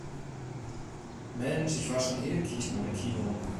Mensch, ich war schon ewig nicht mehr im Kino.